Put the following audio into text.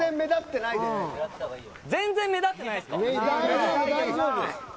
全然目立ってないですか？